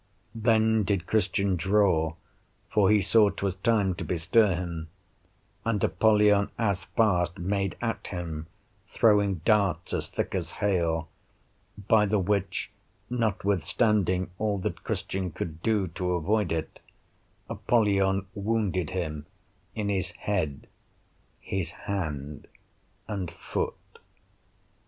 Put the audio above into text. Then did Christian draw, for he saw 'twas time to bestir him: and Apollyon as fast made at him, throwing darts as thick as hail; by the which, notwithstanding all that Christian could do to avoid it, Apollyon wounded him in his head, his hand, and foot.